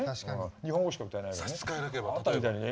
日本語しか歌えないけどね。